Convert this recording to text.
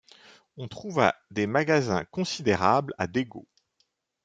On trouva des magasins considérables à Dego.